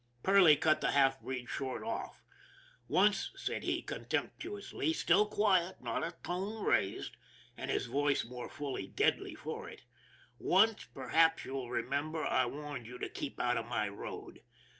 Perley cut the half breed short off. " Once," said he contemptuously, still quiet, not a tone raised, and his voice the more deadly for it, " once, perhaps you'll remember, I warned you to keep out of my road.